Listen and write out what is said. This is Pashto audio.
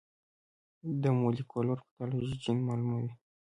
د مولېکولر پیتالوژي جین معلوموي.